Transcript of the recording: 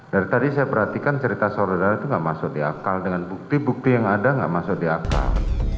dari tadi saya perhatikan cerita saudara itu tidak masuk di akal dengan bukti bukti yang ada nggak masuk di akal